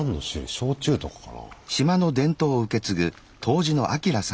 焼酎とかかな。